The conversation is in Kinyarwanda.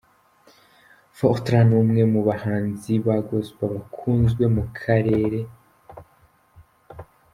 Fortran ni umwe mu bahanzi ba Gospel bakunzwe mu karere.